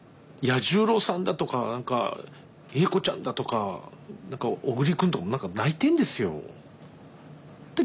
彌十郎さんだとか栄子ちゃんだとか何か小栗君とか泣いてんですよ。